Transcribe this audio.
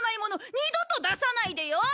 二度と出さないでよ！